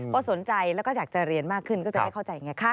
พอสนใจแล้วก็อยากจะเรียนมากขึ้นก็จะได้เข้าใจไงคะ